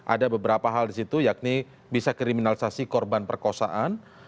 ada beberapa hal disitu yakni bisa kriminalisasi korban perkosaan